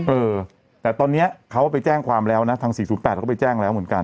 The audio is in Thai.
เออแต่ตอนนี้เขาไปแจ้งความแล้วนะทาง๔๐๘เขาก็ไปแจ้งแล้วเหมือนกัน